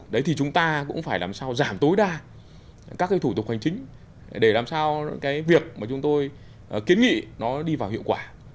đấy thì chúng ta cũng phải làm sao giảm tối đa các cái thủ tục hành chính để làm sao cái việc mà chúng tôi kiến nghị nó đi vào hiệu quả